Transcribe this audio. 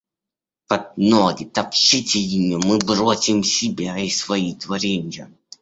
Под ноги — топчите ими — мы бросим себя и свои творенья.